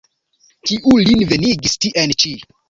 Kiu lin venigis tien ĉi?